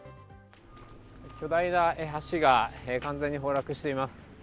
巨大な橋が完全に崩落しています。